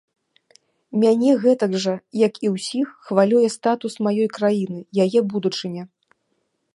Мяне гэтак жа, як і ўсіх, хвалюе статус маёй краіны, яе будучыня.